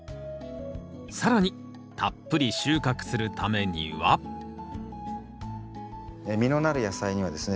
更にたっぷり収穫するためには実のなる野菜にはですね